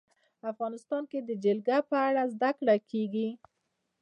افغانستان کې د جلګه په اړه زده کړه کېږي.